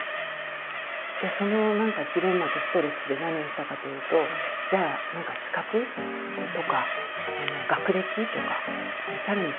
でその何かジレンマとストレスで何をしたかというとじゃあ何かそっちに走って。